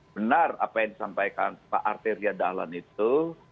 benar apa yang disampaikan pak artir yadahlan itu